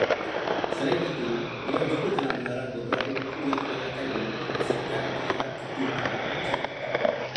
Selain itu, beliau juga telah mengarang beberapa buku yang kebanyakkannya berkonsepkan perihal kepemimpinan remaja